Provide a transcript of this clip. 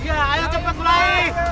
ayo cepat dimulai